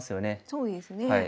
そうですね。